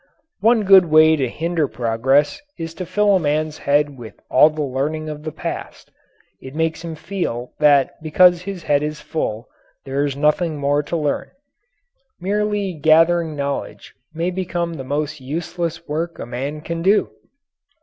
One good way to hinder progress is to fill a man's head with all the learning of the past; it makes him feel that because his head is full, there is nothing more to learn. Merely gathering knowledge may become the most useless work a man can do.